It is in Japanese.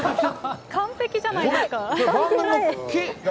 完璧じゃないですか。